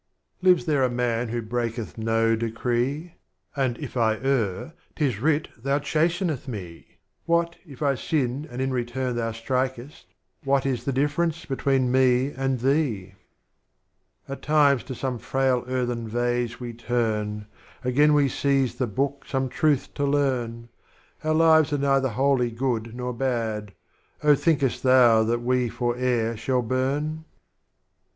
Lives there a Man who breaketh no Decree? — And if I err 'tis writ Thou chasteneth Me, — What, if I sin and in return Thou strikest, — What is the difference between Me and Thee? At times to some frail earthen Vase we turn. Again we seize the Book some Truth to Learn; Our Lives are neither wholly Good nor Bad, Oh thinkest Thou that we fore'er shall burn?